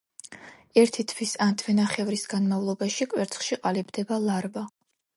ერთი თვის ან თვენახევრის განმავლობაში კვერცხში ყალიბდება ლარვა.